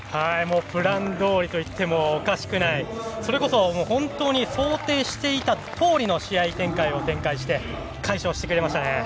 プランどおりといってもおかしくないそれこそ本当に想定していたとおりの試合を展開をして快勝してくれましたね。